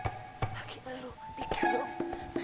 lagi lu pikir dong